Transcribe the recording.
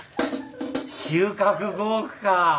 収穫５億か